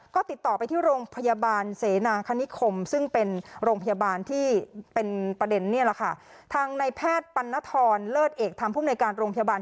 ก็ติดต่อไปที่โรงพยาบาลเสนาคณิคมซึ่งเป็นโรงพยาบาลที่เป็นประเด็นทางนายแพทย์ปัณบรรษนทรเเลิศเอกท้ำผู้ในการโรงพยาบาล